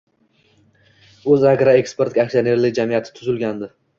«O‘zagroeksport» aksionerlik jamiyati tuzilgandi.